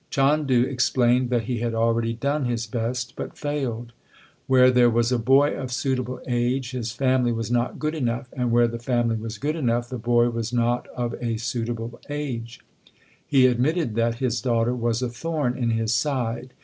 Chandu explained that he had already done his best but failed. Where there was a boy of suitable age, his family was not good enough ; and where the family was good enough the boy was not of a suitable age. He admitted that his daughter was a thorn in his side.